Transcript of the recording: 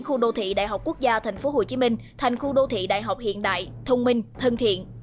khu đô thị đại học quốc gia tp hcm thành khu đô thị đại học hiện đại thông minh thân thiện